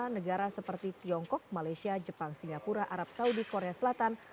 lima negara seperti tiongkok malaysia jepang singapura arab saudi korea selatan